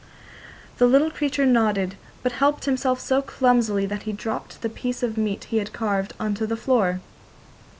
The little creature nodded, but helped himself so clumsily that he dropped the piece of meat he had carved on to the floor.